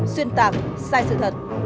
xuyên tạc sai sự thật